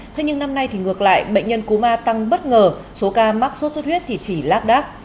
thế nhưng năm nay thì ngược lại bệnh nhân cúm a tăng bất ngờ số ca mắc sốt xuất huyết thì chỉ lát đác